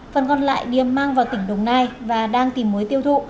phần còn lại điềm mang vào tỉnh đồng nai và đang tìm mối tiêu thụ